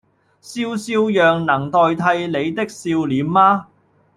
笑笑樣能代替你的笑臉嗎